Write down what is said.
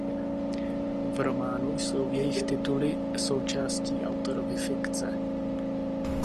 V románu jsou jejich tituly součástí autorovy fikce.